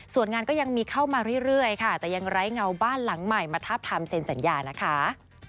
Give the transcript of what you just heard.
ส่วนงานก็ยังมีเข้ามาเรื่อยค่ะแต่ยังไร้เงาบ้านหลังใหม่มาทาบทามเซ็นสัญญานะคะ